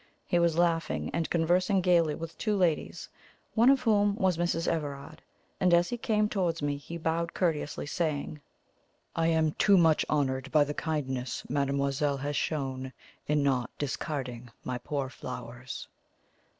He was laughing and conversing gaily with two ladies, one of whom was Mrs. Everard; and as he came towards me he bowed courteously, saying: "I am too much honoured by the kindness mademoiselle has shown in not discarding my poor flowers."